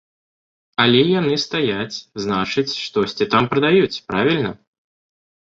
Але яны стаяць, значыць, штосьці там прадаюць, правільна?